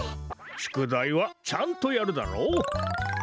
しゅくだいはちゃんとやるダロ。